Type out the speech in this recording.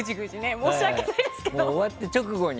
申し訳ないですけど。